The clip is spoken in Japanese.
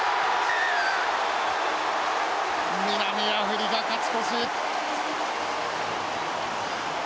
南アフリカ勝ち越し。